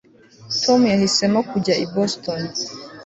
tom yahisemo kujya i boston